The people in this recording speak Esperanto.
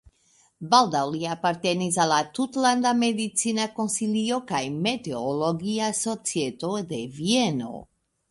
Baldaŭ li apartenis al la tutlanda medicina konsilio kaj meteologia societo de Vieno.